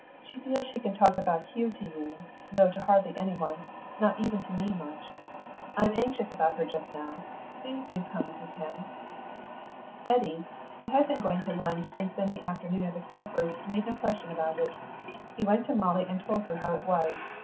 "She feels she can talk about Hugh to you, though to hardly anyone not even to me much. I am anxious about her just now. Please do come if you can." Eddy, who had been going to lunch and spend the afternoon at the Crawfords', made no question about it. He went to Molly and told her how it was.